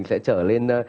sẽ trở lên